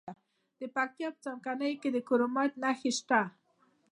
د پکتیا په څمکنیو کې د کرومایټ نښې شته.